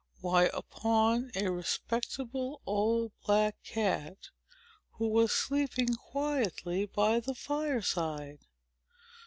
why, upon a respectable old black cat, who was sleeping quietly by the fireside.